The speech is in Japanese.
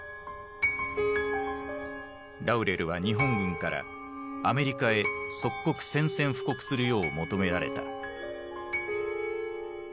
ラウレルは日本軍からアメリカへ即刻宣戦布告するよう求められた。